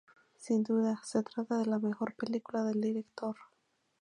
Sin duda, se trata de la mejor película del director.